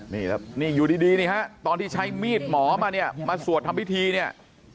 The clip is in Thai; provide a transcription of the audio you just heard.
นี่อยู่ดีนะฮะตอนที่ใช้มีดหมอมาเนี่ยมาศวรรษทำพิธีเนี่ย